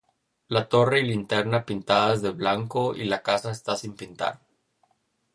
La torre y linterna pintadas de blanco, y la casa está sin pintar.